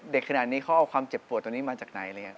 เด็กขนาดนี้เขาเอาความเจ็บปวดตรงนี้มาจากไหน